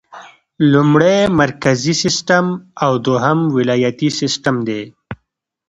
لومړی مرکزي سیسټم او دوهم ولایتي سیسټم دی.